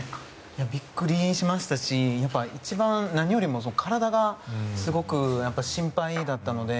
ビックリしましたし一番、何よりも体がすごく心配だったので。